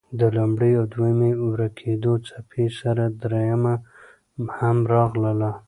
د لومړۍ او دویمې ورکېدو څپې سره دريمه هم راغله.